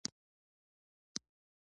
پلار يې نازنين ته وويل